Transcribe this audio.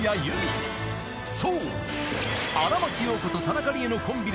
［そう］